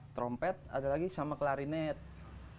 trompet ada lagi sama klarinet